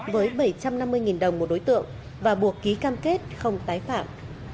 với bảy trăm năm mươi đồng một đối tượng và buộc ký cam kết không tái phạm